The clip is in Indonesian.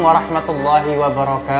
wa rahmatullahi wa barakatuh